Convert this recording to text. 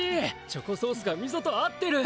チョコソースがみそと合ってる！